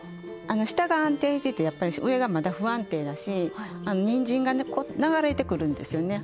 あの下が安定しててやっぱり上がまだ不安定だしにんじんがこう流れてくるんですよね